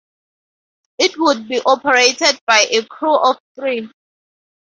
It would be operated by a crew of three.